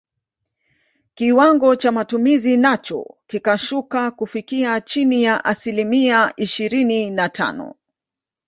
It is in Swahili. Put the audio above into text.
Kiwango cha matumizi nacho kikashuka kufikia chini ya asilimia ishirini na tano